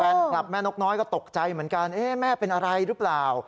แม่นกน้อยก็ตกใจเหมือนกันแม่เป็นอะไรหรือเปล่า